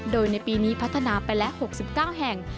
โดยในปีนี้พัฒนาไปแล้ว๖๙แห่ง